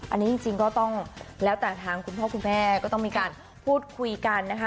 อันนี้จริงก็ต้องแล้วแต่ทางคุณพ่อคุณแม่ก็ต้องมีการพูดคุยกันนะคะ